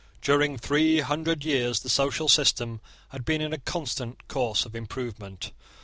During three hundred years the social system had been in a constant course of improvement.